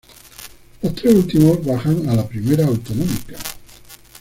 Los tres últimos bajan a la Primera Autonómica.